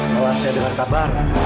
kalau saya dengar kabar